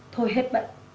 thôi hết bận